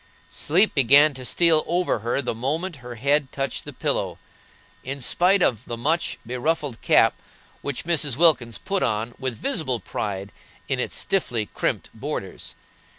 Sleep began to steal over her the moment her head touched the pillow, in spite of the much beruffled cap which Mrs. Wilkins put on with visible pride in its stiffly crimped borders.